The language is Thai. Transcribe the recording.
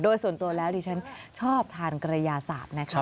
โดยส่วนตัวแล้วดิฉันชอบทานกระยาศาสตร์นะคะ